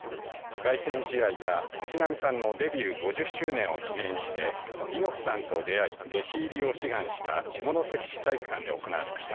凱旋試合は藤波さんのデビュー５０周年を記念して猪木さんと出会い、弟子入りを志願した下関市体育館で行われました。